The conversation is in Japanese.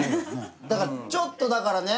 だからちょっとだからね